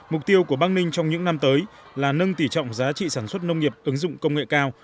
mục tiêu của bắc ninh trong những năm tới là nâng tỉ trọng giá trị sản xuất nông nghiệp ứng dụng công nghệ cao